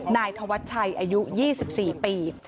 นายธวัชชัยอายุ๒๔ปี